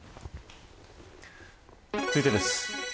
続いてです。